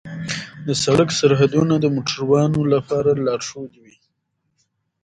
د سړک سرحدونه د موټروانو لپاره لارښود وي.